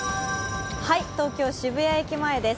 東京・渋谷駅前です。